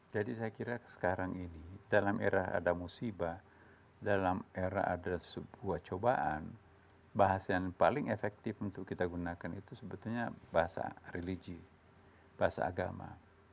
jadi saya kira sekarang ini dalam era ada musibah dalam era ada sebuah cobaan bahasa yang paling efektif untuk kita gunakan itu sebetulnya bahasa religi bahasa agama